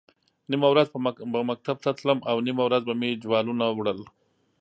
نیمه ورځ به مکتب ته تلم او نیمه ورځ به مې جوالونه وړل.